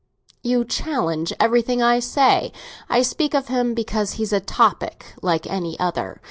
"You challenge everything I say. I speak of him because he's a topic, like any other.